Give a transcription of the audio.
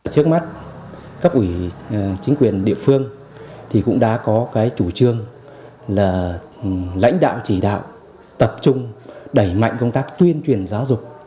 trước mắt cấp ủy chính quyền địa phương cũng đã có cái chủ trương là lãnh đạo chỉ đạo tập trung đẩy mạnh công tác tuyên truyền giáo dục